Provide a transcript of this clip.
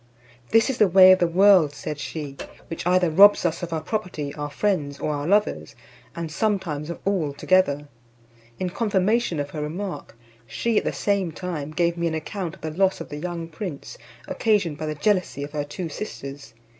"This is the way of the world," said she, "which either robs us of our property, our friends, or our lovers; and some. times of all together." In confirmation of her remark, she at the same time gave me an account of the loss of the young prince, occasioned by the jealousy of her two sisters.